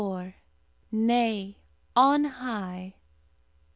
NAY; ON HIGH!